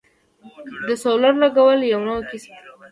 د سولر لګول یو نوی کسب دی